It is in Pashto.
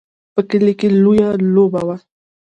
په کلي کې لویه لوبه وه.